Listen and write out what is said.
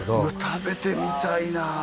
食べてみたいなわあ